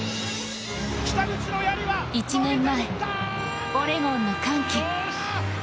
１年前、オレゴンの歓喜。